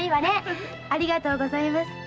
ありがとうございます。